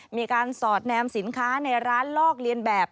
มีการสอดแนมสินค้าในร้านลอกเลียนแบบ